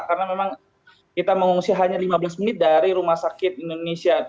jadi memang kita mengungsi hanya lima belas menit dari rumah sakit indonesia